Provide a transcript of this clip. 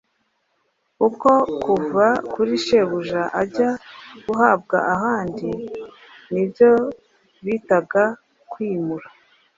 uko kuva kuri shebuja ajya guhakwa ahandi ni byo bitaga "kwimura".